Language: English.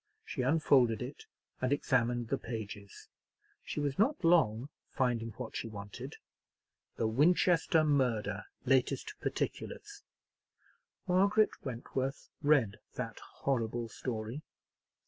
She unfolded it, and examined the pages. She was not long finding what she wanted. "The Winchester Murder. Latest Particulars." Margaret Wentworth read that horrible story.